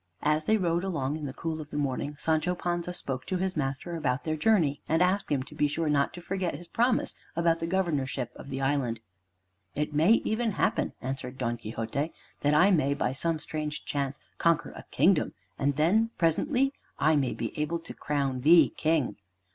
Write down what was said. As they rode along in the cool of the morning, Sancho Panza spoke to his master about their journey, and asked him to be sure not to forget his promise about the governorship of the island. "It may even happen," answered Don Quixote, "that I may by some strange chance conquer a kingdom. And then presently, I may be able to crown thee King."